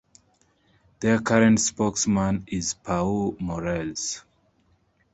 Their current spokesman is Pau Morales.